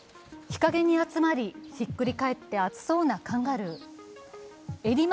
日陰に集まり、ひっくり返って暑そうなカンガルー。